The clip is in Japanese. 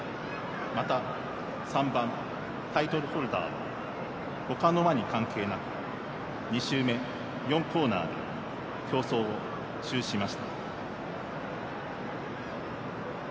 また、３番、タイトルホルダーはほかの馬に関係なく２周目４コーナーで競走を中止しました。